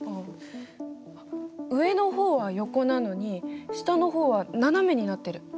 あっ上の方は横なのに下の方は斜めになってる！